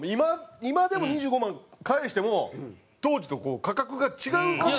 今でも２５万返しても当時とこう価格が違う感じ